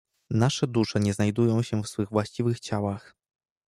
"Nasze dusze nie znajdują się w swych właściwych ciałach."